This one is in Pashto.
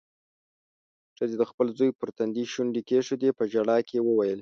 ښځې د خپل زوی پر تندي شونډې کېښودې. په ژړا کې يې وويل: